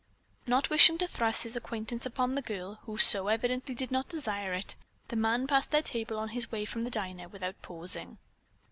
Not wishing to thrust his acquaintance upon the girl, who so evidently did not desire it, the man passed their table on his way from the diner without pausing.